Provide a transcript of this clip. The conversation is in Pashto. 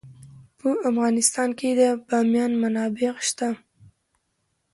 په افغانستان کې د بامیان منابع شته.